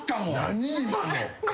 何今の？